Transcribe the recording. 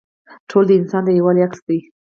ټولنه د انسان د یووالي عکس دی.